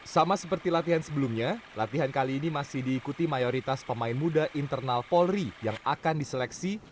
sama seperti latihan sebelumnya latihan kali ini masih diikuti mayoritas pemain muda internal polri yang akan diseleksi